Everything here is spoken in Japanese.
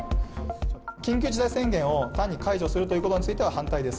緊急事態宣言を単に解除するということについては反対です。